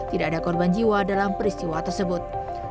tidak ada korban jiwa dalam peristiwa tersebut